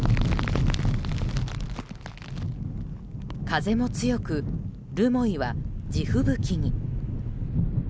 風も強く、留萌は地吹雪に。